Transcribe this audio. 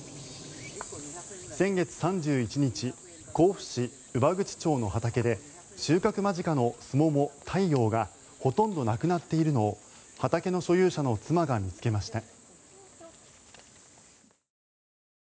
先月３１日甲府市右左口町の畑で収穫間近のスモモ、太陽がほとんどなくなっているのを畑の所有者の妻が見つけました。